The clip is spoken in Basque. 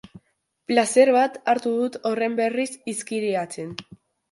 Plazer bat hartu dut horren berriz izkiriatzen.